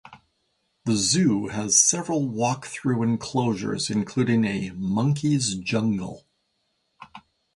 The zoo has several walk-through enclosures, including a "monkey's jungle".